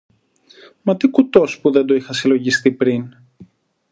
Μα τι κουτός που δεν το είχα συλλογιστεί πριν